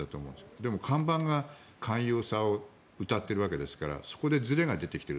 でも看板が寛容さをうたっているわけですからそこでずれが出てきている。